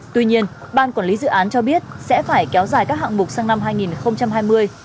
tuy nhiên ban quản lý dự án cho biết sẽ phải kéo dài các hạng mục sang năm hai nghìn hai mươi